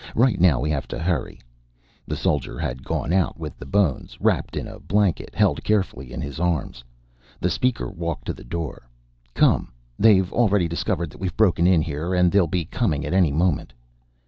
"Right now we have to hurry!" The soldier had gone out with the bones, wrapped in a blanket held carefully in his arms. The Speaker walked to the door. "Come. They've already discovered that we've broken in here, and they'll be coming at any moment."